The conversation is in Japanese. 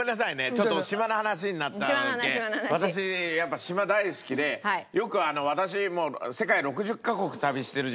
ちょっと島の話になったので私やっぱよく私もう世界６０カ国旅してるじゃないですか。